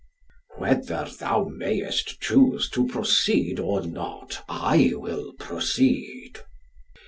"Whether thou mayest choose to proceed or not, I will proceed."